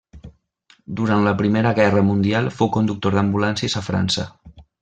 Durant la Primera Guerra Mundial fou conductor d'ambulàncies a França.